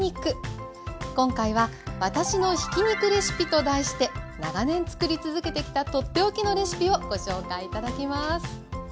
今回は「わたしのひき肉レシピ」と題して長年つくり続けてきた取って置きのレシピをご紹介頂きます。